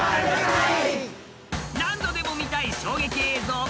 ［何度でも見たい衝撃映像］